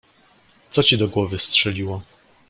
"Co ci do głowy strzeliło?!"